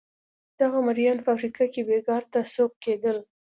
دغه مریان په افریقا کې بېګار ته سوق کېدل.